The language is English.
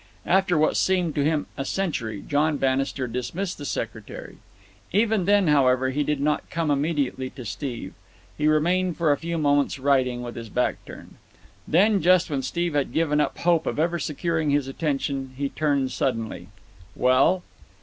After what seemed to him a century, John Bannister dismissed the secretary. Even then, however, he did not come immediately to Steve. He remained for a few moments writing, with his back turned. Then, just when Steve had given up hope of ever securing his attention, he turned suddenly. "Well?"